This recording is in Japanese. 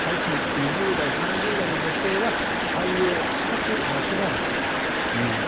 ２０代、３０代の女性は採用したくなくなるという声。